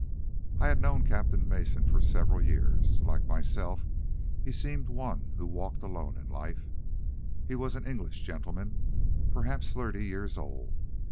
I had known Captain Mason for several years. Like myself, he seemed one who walked alone in life. He was an English gentleman, perhaps thirty years old.